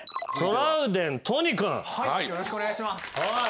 よろしくお願いします。